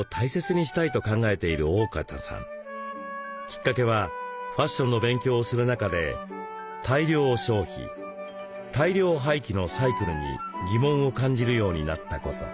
きっかけはファッションの勉強をする中で大量消費大量廃棄のサイクルに疑問を感じるようになったこと。